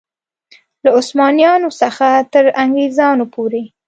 له عثمانیانو څخه تر انګرېزانو پورې.